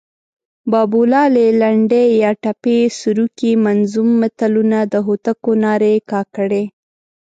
بابولالې، لنډۍ یا ټپې، سروکي، منظوم متلونه، د هوتکو نارې، کاکړۍ